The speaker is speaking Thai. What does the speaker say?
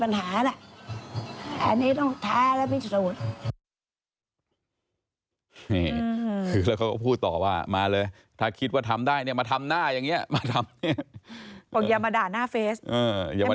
อย่ามาด่าหน้าเฟซให้มาแข่งกันทำหน้าแบบนี้ดีกว่า